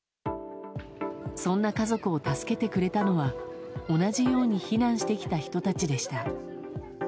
そんな家族を助けてくれたのは、同じように避難してきた人たちでした。